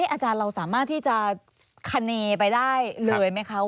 อาจารย์เราสามารถที่จะคเนไปได้เลยไหมคะ